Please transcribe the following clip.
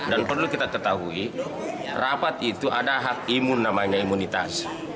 dan perlu kita ketahui rapat itu ada hak imun namanya imunitas